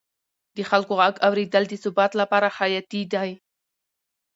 د خلکو غږ اورېدل د ثبات لپاره حیاتي دی